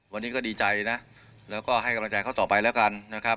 วันนี้ก็ดีใจนะแล้วก็ให้กำลังใจเขาต่อไปแล้วกันนะครับ